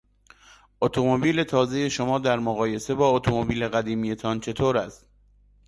اتومبیل تازهی شما در مقایسه با اتومبیل قدیمیتان چطور است؟